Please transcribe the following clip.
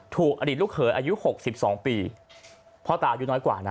ถูกอดีตลูกเขยอายุหกสิบสองปีพ่อตาอายุน้อยกว่านะ